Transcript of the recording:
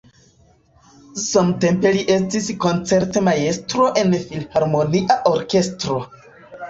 Samtempe li estis koncertmajstro en filharmonia orkestro.